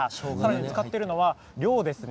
使っているのは量ですね。